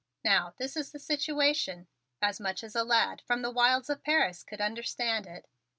Now this is the situation, as much as a lad from the wilds of Paris could understand it.